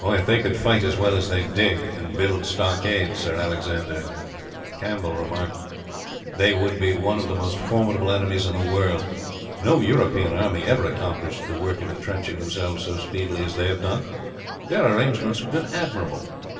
"If they could fight as well as they dig, and build stockades," Sir A. Campbell remarked, "they would be one of the most formidable enemies in the world. No European army ever accomplished the work of entrenching themselves so speedily as they have done. Their arrangements have been admirable.